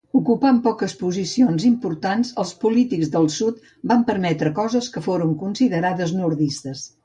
Ocupant poques posicions importants, els polítics del Sud van permetre coses que foren considerades nordistes.